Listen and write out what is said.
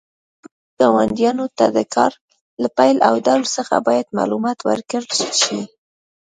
نږدې ګاونډیانو ته د کار له پیل او ډول څخه باید معلومات ورکړل شي.